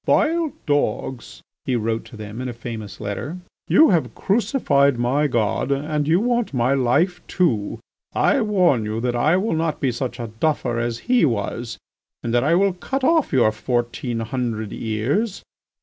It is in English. "Vile dogs," he wrote to them in a famous letter, "you have crucified my God and you want my life too; I warn you that I will not be such a duffer as He was and that I will cut off your fourteen hundred ears.